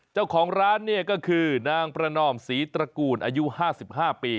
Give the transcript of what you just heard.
เจ้าของร้านเนี่ยก็คือนางประนอมศรีตระกูลอายุ๕๕ปี